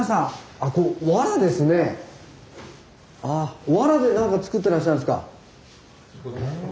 あワラで何か作ってらっしゃるんですか？